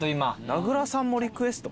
名倉さんもリクエスト？